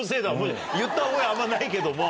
言った覚えあんまないけども。